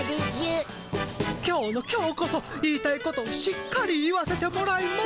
今日の今日こそ言いたいことをしっかり言わせてもらいます。